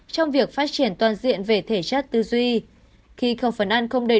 trong việc phát triển toàn diện về thể chất tư duy